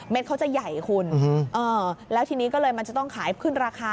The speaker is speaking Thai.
เขาจะใหญ่คุณแล้วทีนี้ก็เลยมันจะต้องขายขึ้นราคา